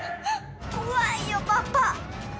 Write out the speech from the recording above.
怖いよパパ。